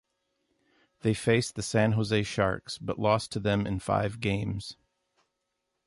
They faced the San Jose Sharks, but lost to them in five games.